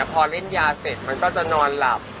พอเล่นยาเสร็จมันก็จะนอนหลับ